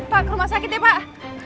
pak ke rumah sakit ya pak